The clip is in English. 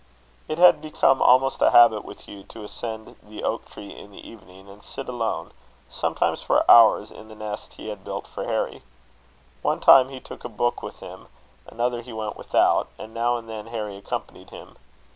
It had become almost a habit with Hugh, to ascend the oak tree in the evening, and sit alone, sometimes for hours, in the nest he had built for Harry. One time he took a book with him; another he went without; and now and then Harry accompanied him.